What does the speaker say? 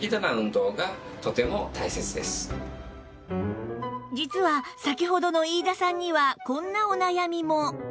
実は先ほどの飯田さんにはこんなお悩みも